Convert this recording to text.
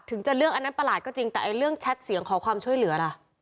ถึงจะเรื่องอันนั้นประหลาดก็จริงแต่เรื่องแชทเสียงขอความช่วยเหลือล่ะ